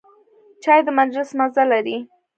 چای د مجلس مزه لري.